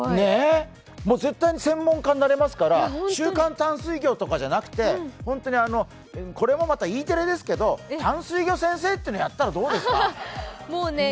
絶対に専門家になれますから「週刊淡水魚」とかじゃなくてこれもまたＥテレですけど、淡水魚先生っていうのやったらどうですか？